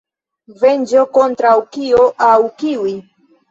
Venĝo kontraŭ kio aŭ kiuj?